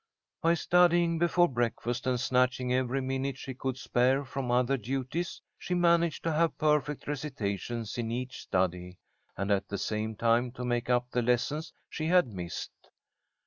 By studying before breakfast, and snatching every minute she could spare from other duties, she managed to have perfect recitations in each study, and at the same time to make up the lessons she had missed.